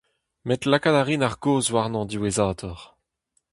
Met lakaat a rin ar gaoz warnañ diwezhatoc'h.